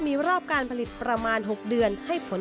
มีรอบการผลิตประมาณ๖เดือน